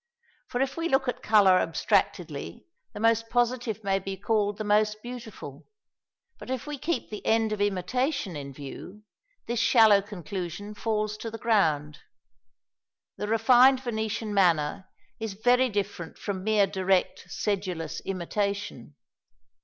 For if we look at colour abstractedly, the most positive may be called the most beautiful, but if we keep the end of imitation in view, this shallow conclusion falls to the ground. The refined Venetian manner is very different from mere direct, sedulous imitation.